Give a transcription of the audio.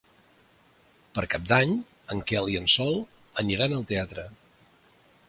Per Cap d'Any en Quel i en Sol aniran al teatre.